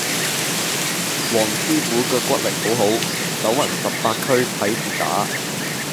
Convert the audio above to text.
黃師傅腳骨力好好，走勻十八區睇跌打